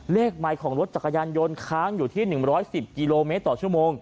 ไมค์ของรถจักรยานยนต์ค้างอยู่ที่๑๑๐กิโลเมตรต่อชั่วโมง